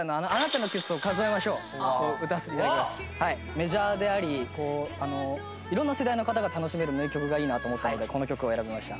メジャーであり色んな世代の方が楽しめる名曲がいいなと思ったのでこの曲を選びました。